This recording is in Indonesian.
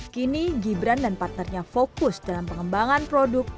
kini gibran dan partnernya fokus dalam pengembangan produk